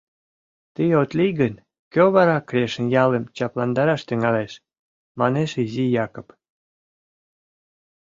Тый от лий гын, кӧ вара Крешын ялым чапландараш тӱҥалеш? — манеш изи Якып.